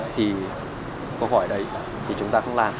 thì câu hỏi đấy thì chúng ta không làm